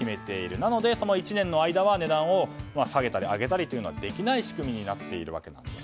なので、その１年の間は値段を下げたり上げたりはできない仕組みになっているんです。